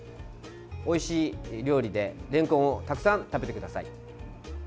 おいしい料理でれんこんをたくさん食べてください。